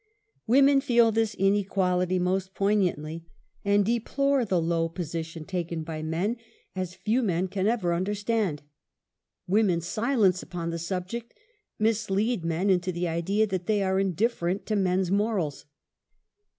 Women feel this inequality most poignantly, and deplore the low position taken by men, as few men. can ever understand. "Woman's silence upon the sub ject mislead men into the idea that they are indiffer ent to man's morals.